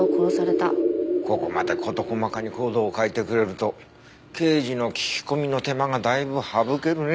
ここまで事細かに行動を書いてくれると刑事の聞き込みの手間がだいぶ省けるね。